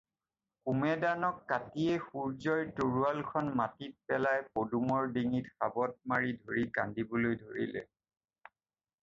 কুমেদানক কাটিয়েই সূৰ্য্যই তৰোৱালখন মাটিত পেলাই পদুমৰ ডিঙিত সাবট মাৰি ধৰি কান্দিবলৈ ধৰিলে।